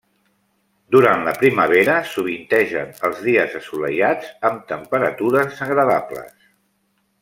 Durant la primavera sovintegen els dies assolellats amb temperatures agradables.